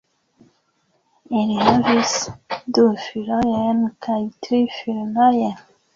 Ili havis du filojn kaj tri filinojn.